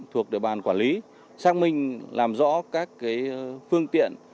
thuộc địa bàn quản lý xác minh làm rõ các phương tiện